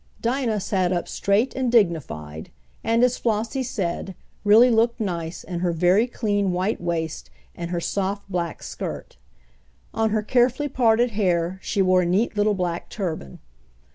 Dinah sat up straight and dignified, and, as Flossie said, really looked nice, in her very clean white waist and her soft black skirt. On her carefully parted hair she wore a neat little black turban.